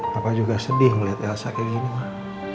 papa juga sedih liat elsa kayak gini pak